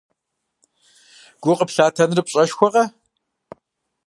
Гу къыплъатэныр пщӀэшхуэкъэ!